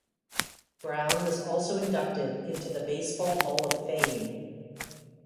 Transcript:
Brown was also inducted into the Baseball Hall of Fame.